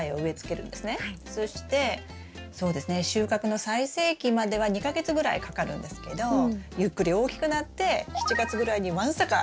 そしてそうですね収穫の最盛期までは２か月ぐらいかかるんですけどゆっくり大きくなって７月ぐらいにわんさかナスがとれるようになります。